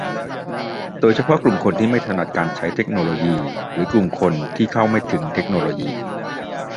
โดยเฉพาะกลุ่มคนที่ไม่ถนัดการใช้เทคโนโลยี หรือ กลุ่มคนที่เข้าไม่ถึงเทคโนโลยี